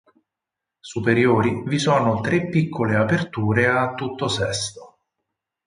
Superiori vi sono tre piccole aperture a tutto sesto.